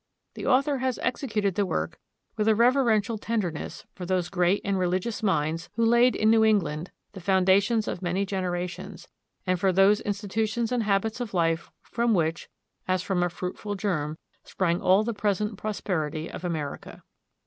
The author has executed the work with a reverential tenderness for those great and religious minds who laid in New England the foundations of many generations, and for those institutions and habits of life from which, as from a fruitful germ, sprang all the present prosperity of America.